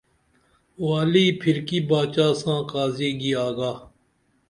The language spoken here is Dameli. والی پھرکی باچا ساں قاضی گی آگا